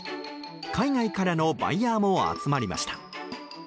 海外からのバイヤーも集まりました。